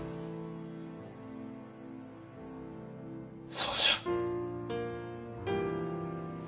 そうじゃ。